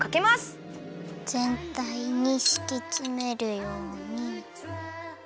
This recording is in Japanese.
ぜんたいにしきつめるように。